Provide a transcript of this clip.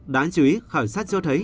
đáng chú ý khảo sát cho thấy